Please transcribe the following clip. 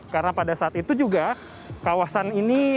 karena pada saat itu juga kawasan ini